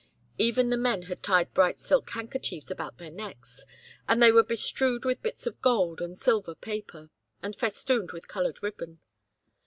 Even the men had tied bright silk handkerchiefs about their necks, and they were bestrewed with bits of gold and silver paper, and festooned with colored ribbon.